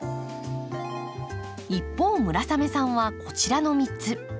一方村雨さんはこちらの３つ。